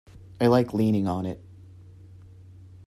I like leaning on it.